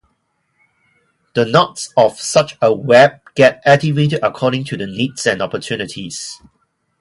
The "knots" of such a web get activated according to the needs and opportunities.